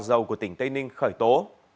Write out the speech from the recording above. gò dầu của tỉnh tây ninh khởi tố